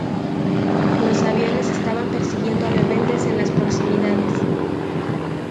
Los aviones estaban persiguiendo a rebeldes en las proximidades.